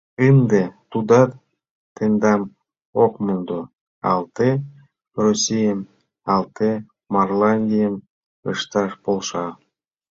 Ынде тудат тендам ок мондо: Алте Российым, Алте Марландийым ышташ полша.